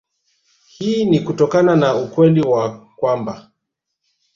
Hii ni kutokana na ukweli wa kwamba